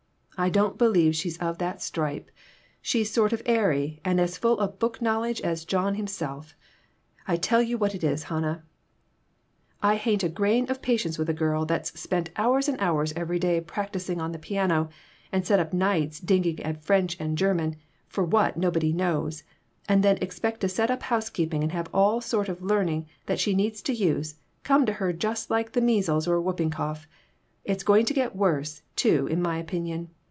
I don't believe she's of that stripe. She's sort of airy and as full of book knowledge as John him self. I tell you what it is, Hannah, I hain't a grain of patience with a girl that's spent hours and hours every day practicing on the piano, and set up nights digging at French and German for what, nobody knows and then expect to set up housekeeping and have all the sort of learning that she needs to use, come to her just like the measles or whooping cough. It's going to get worse, too, in my opinion.